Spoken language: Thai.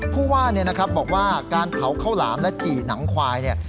ผู้ว่าบอกว่าการเผาข้าวหลามและจี่หนังควายเนี่ย